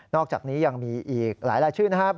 อกจากนี้ยังมีอีกหลายรายชื่อนะครับ